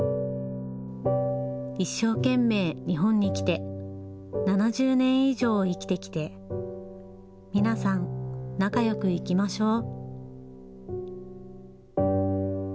一生懸命、日本に来て７０年以上、生きてきて皆さん、仲よくいきましょう。